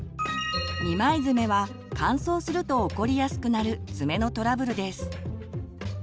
「二枚爪」は乾燥すると起こりやすくなる爪のトラブルです。